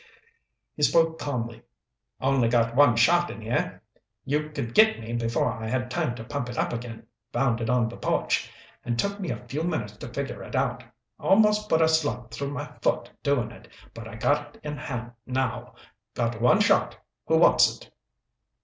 He spoke calmly. "Only got one shot in here. You could get me before I had time to pump it up again. Found it on the porch and took me a few minutes to figure it out. Almost put a slug through my foot doing it. But I got it in hand now. Got one shot. Who wants it?"